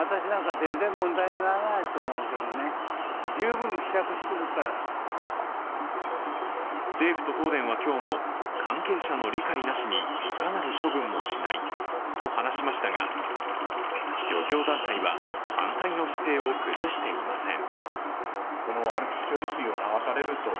株主は政府と東電は今日も関係者の理解なしにいかなる処分もしないと話しましたが、漁業団体は反対の姿勢を崩していません。